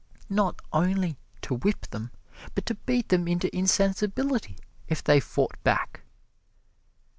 Not only to whip them, but to beat them into insensibility if they fought back?